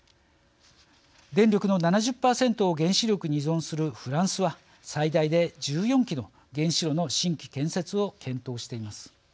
電力の７０％を原子力に依存するフランスは最大で１４基の原子炉の新規建設を検討しています。